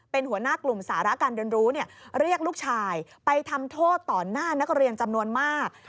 เป็นหัวหน้ากลุ่มสาระการเรียนรู้เรียกลูกชายไปทำโทษต่อหน้านักเรียนจำนวนมาก